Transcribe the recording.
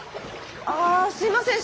あすいません